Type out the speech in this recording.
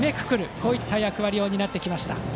こういった役割を担っていました。